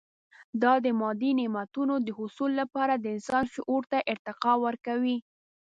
دا د مادي نعمتونو د حصول لپاره د انسان شعور ته ارتقا ورکوي.